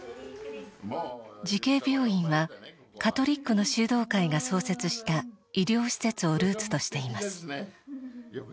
慈恵病院はカトリックの修道会が創設した医療施設をルーツとしています。